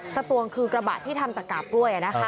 สะตวงคือกระบาดที่ทำจากกาปล้วยอ่ะนะคะ